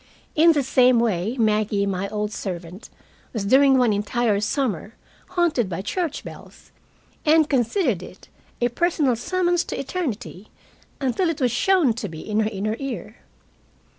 In the same way Maggie, my old servant, was during one entire summer haunted by church bells and considered it a personal summons to eternity until it was shown to be in her inner ear.